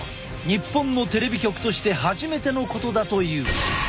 日本のテレビ局として初めてのことだという。